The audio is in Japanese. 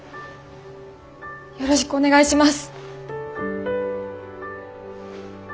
よろしくお願いします！